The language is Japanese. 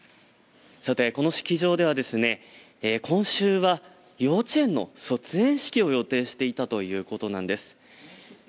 さて、この式場では今週は幼稚園の卒園式を予定していたということなんです。